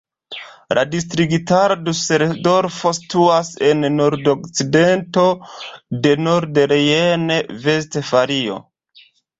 La distriktaro Duseldorfo situas en la nordokcidento de Nordrejn-Vestfalio.